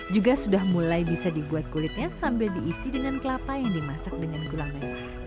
juga sudah mulai bisa dibuat kulitnya sambil diisi dengan kelapa yang dimasak dengan gula merah